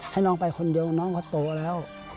ให้น้องไปคนเดียวน้องเขาโตแล้ว